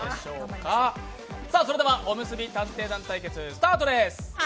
それでは「おむすび探偵団」対決スタートです。